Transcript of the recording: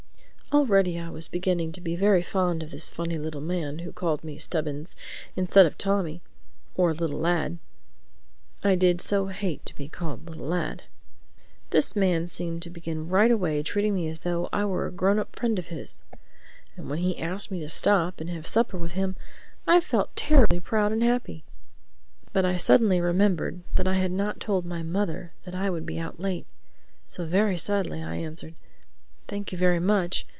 Already I was beginning to be very fond of this funny little man who called me "Stubbins," instead of "Tommy" or "little lad" (I did so hate to be called "little lad"!) This man seemed to begin right away treating me as though I were a grown up friend of his. And when he asked me to stop and have supper with him I felt terribly proud and happy. But I suddenly remembered that I had not told my mother that I would be out late. So very sadly I answered, "Thank you very much.